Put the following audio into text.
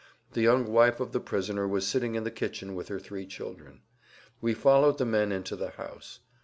The young wife of the prisoner was sitting in the kitchen with her three children. We followed the men into the house.